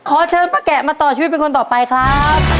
เชิญป้าแกะมาต่อชีวิตเป็นคนต่อไปครับ